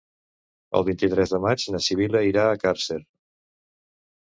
El vint-i-tres de maig na Sibil·la irà a Càrcer.